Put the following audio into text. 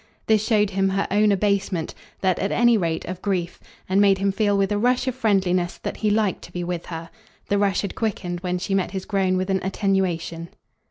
This showed him her own abasement that, at any rate, of grief; and made him feel with a rush of friendliness that he liked to be with her. The rush had quickened when she met his groan with an attenuation.